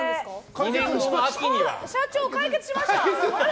社長、解決しました！